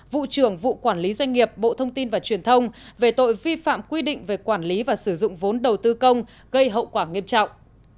vụ trưởng vụ quản lý doanh nghiệp bộ thông tin và truyền thông về tội vi phạm quy định về quản lý và sử dụng vốn đầu tư công gây hậu quả nghiêm trọng